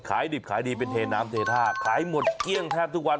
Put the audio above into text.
ดิบขายดีเป็นเทน้ำเทท่าขายหมดเกลี้ยงแทบทุกวัน